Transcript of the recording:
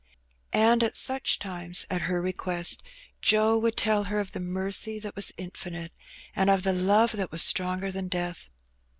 And at such times^ at her request, Joe would tell her of the mercy that was infinite^ and of the love that was stronger than death.